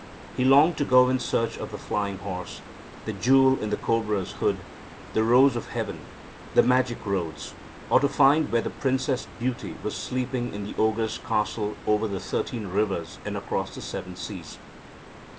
He longed to go in search of the Flying Horse, the Jewel in the Cobra's hood, the Rose of Heaven, the Magic Roads, or to find where the Princess Beauty was sleeping in the Ogre's castle over the thirteen rivers and across the seven seas.